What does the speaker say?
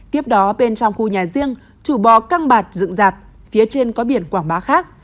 tiếp đó bên trong khu nhà riêng chủ bò căng bạt dựng dạp phía trên có biển quảng bá khác